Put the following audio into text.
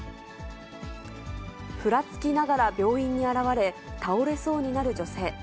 ふらつきながら病院に現れ、倒れそうになる女性。